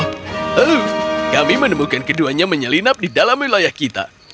hmm kami menemukan keduanya menyelinap di dalam wilayah kita